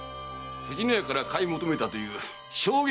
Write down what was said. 藤乃屋から買い求めたという証言があるぞ。